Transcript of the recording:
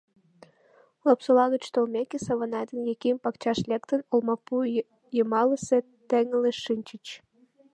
Лапсола гыч толмеке, Саванай ден Яким, пакчаш лектын, олмапу йымалысе теҥгылыш шинчыч.